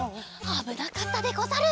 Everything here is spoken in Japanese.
あぶなかったでござる。